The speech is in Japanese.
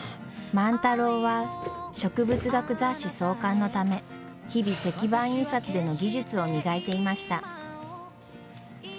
万太郎は植物学雑誌創刊のため日々石版印刷での技術を磨いていました。